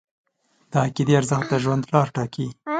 د عقیدې ارزښت د ژوند لار ټاکي.